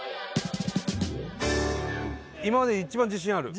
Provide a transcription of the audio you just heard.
今までで一番自信ある？